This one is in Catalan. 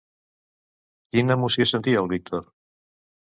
Quina emoció sentia el Víctor?